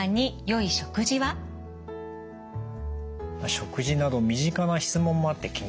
食事など身近な質問もあって気になりますね。